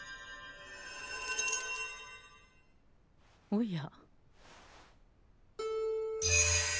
おや？